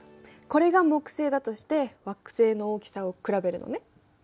これが木星だとして惑星の大きさを比べるのね？